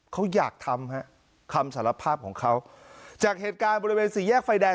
เขาอยากทำฮะคำสารภาพของเขาจากเหตุการณ์บริเวณสี่แยกไฟแดง